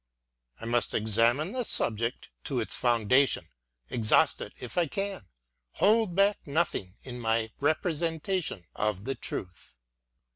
I must examine the subject to its foundation; exhaust it, if I can; hold back nothing in my representation of the truth.